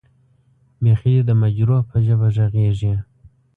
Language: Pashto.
بېخي دې د مجروح به ژبه غږېږې.